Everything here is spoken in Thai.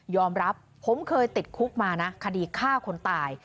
อมรับผมเคยติดคุกมานะคดีฆ่าคนตาย